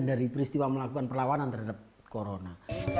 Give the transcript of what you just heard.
dari peristiwa melakukan perlawanan terhadap corona